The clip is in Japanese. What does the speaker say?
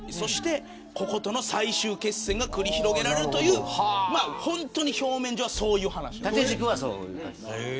こことの最終決戦が繰り広げられるという表面上はそういう話。